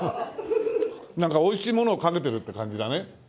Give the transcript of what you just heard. なんかおいしいものをかけてるって感じだね。